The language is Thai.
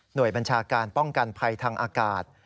โดยบัญชาการป้องกันภัยทางอากาศ